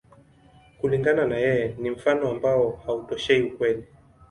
Kulingana na yeye, ni mfano ambao hautoshei ukweli.